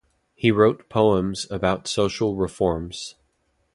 He wrote poems about social reforms.